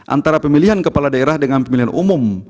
antara pemilihan kepala daerah dengan pemilihan umum